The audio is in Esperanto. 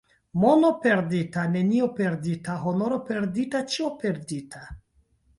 Mono perdita, nenio perdita, — honoro perdita, ĉio perdita.